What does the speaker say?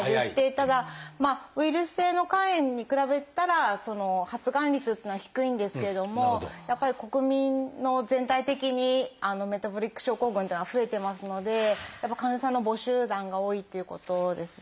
ただウイルス性の肝炎に比べたら発がん率というのは低いんですけれどもやっぱり国民の全体的にメタボリック症候群というのは増えてますので患者さんの母集団が多いっていうことですね。